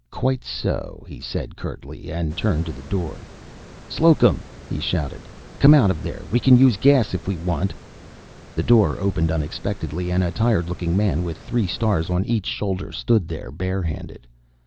"Quite so," he said curtly, and, turned to the door. "Slocum!" he shouted. "Come out of there. We can use gas if we want." The door opened unexpectedly and a tired looking man with three stars on each shoulder stood there, bare handed.